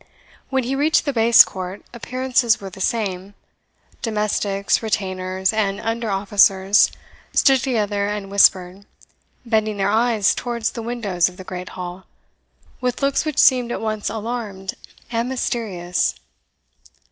When he reached the base court, appearances were the same domestics, retainers, and under officers stood together and whispered, bending their eyes towards the windows of the Great Hall, with looks which seemed at once alarmed and mysterious.